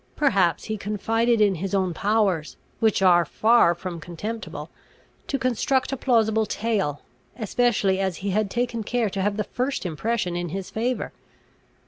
Perhaps he confided in his own powers, which are far from contemptible, to construct a plausible tale, especially as he had taken care to have the first impression in his favour.